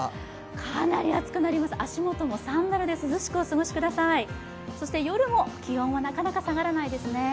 かなり暑くなります、足元もサンダルで涼しくお過ごしください、そして夜も気温がなかなか下がらないですね。